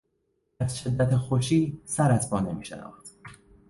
از شدت خوشی سر از پا نمیشناخت.